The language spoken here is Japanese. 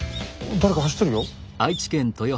誰か走ってるよ。